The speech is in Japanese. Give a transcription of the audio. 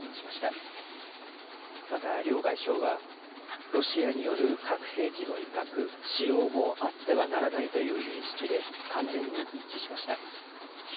また両外相はロシアによる核兵器の威嚇、使用もあってはならないという認識で完全に一致しました。